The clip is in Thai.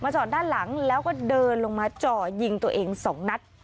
จอดด้านหลังแล้วก็เดินลงมาจ่อยิงตัวเองสองนัด